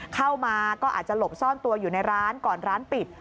เข้ามาก็อาจจะหลบซ่อนตัวอยู่ในร้านก่อนร้านปิด